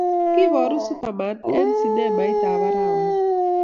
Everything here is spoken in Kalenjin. Kiboru Superman eng' sinemait ap arawa ni.